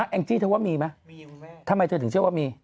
งจี้เธอว่ามีไหมทำไมเธอถึงเชื่อว่ามี